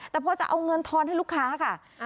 แต่พอจะเอาเงินทอนให้ลูกค้าค่ะ